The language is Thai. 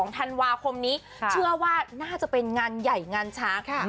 ธันวาคมนี้เหนื่อยนะครับครับเชื่อว่าน่าจะเป็นงานใหญ่งานช้าง